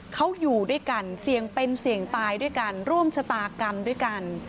เขาอยู่ด้วยกันเสี่ยงเป็นเสี่ยงตายด้วยกันร่วมชะตากรรมด้วยกัน